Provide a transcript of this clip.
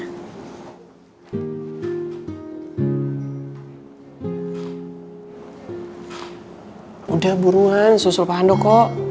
sudah buruan susul pak handoko